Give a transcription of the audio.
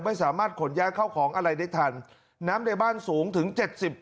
ไม่สามารถขนย้ายเข้าของอะไรได้ทันน้ำในบ้านสูงถึงเจ็ดสิบ